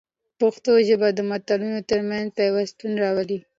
پښتو ژبه د ملتونو ترمنځ پیوستون راولي.